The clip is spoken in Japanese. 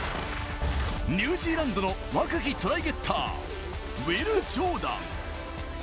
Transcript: ニュージーランドの若きトライゲッター、ウィル・ジョーダン。